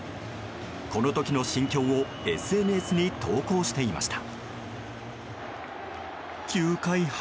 この時の心境をＳＮＳに投稿していました。